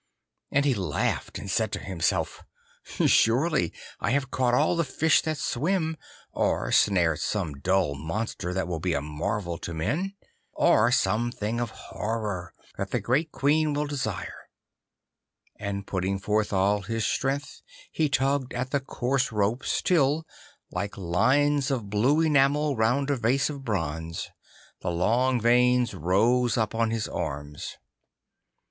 And he laughed, and said to himself, 'Surely I have caught all the fish that swim, or snared some dull monster that will be a marvel to men, or some thing of horror that the great Queen will desire,' and putting forth all his strength, he tugged at the coarse ropes till, like lines of blue enamel round a vase of bronze, the long veins rose up on his arms.